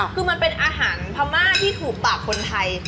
คือมันเป็นอาหารพม่าที่ถูกปากคนไทย